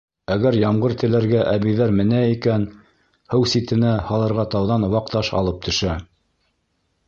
Әгәр ямғыр теләргә әбейҙәр менә икән — һыу ситенә һалырға тауҙан ваҡ таш алып төшә.